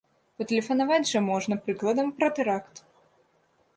Патэлефанаваць жа можна, прыкладам, пра тэракт!